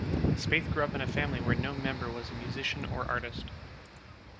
Spaeth grew up in a family where no member was a musician or artist.